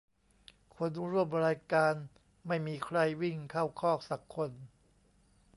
คนร่วมรายการไม่มีใครวิ่งเข้าคอกสักคน